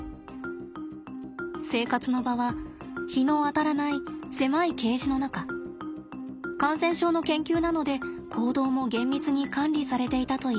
生活の場は日の当たらない狭いケージの中感染症の研究なので行動も厳密に管理されていたといいます。